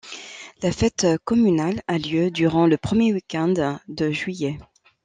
La fête communale a lieu durant le premier week-end de juillet.